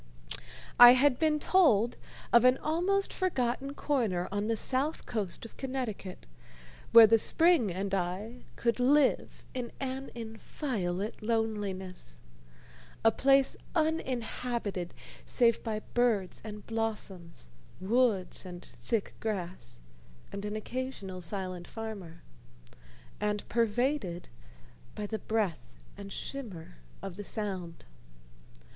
I had been told of an almost forgotten corner on the south coast of Connecticut, where the spring and I could live in an inviolate loneliness a place uninhabited save by birds and blossoms, woods and thick grass, and an occasional silent farmer, and pervaded by the breath and shimmer of the Sound.